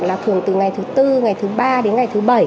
là thường từ ngày thứ tư ngày thứ ba đến ngày thứ bảy